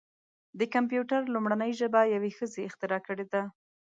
د کمپیوټر لومړنۍ ژبه یوه ښځې اختراع کړې ده.